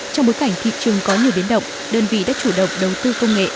trong bối cảnh thị trường có nhiều biến động đơn vị đã chủ động đầu tư công nghệ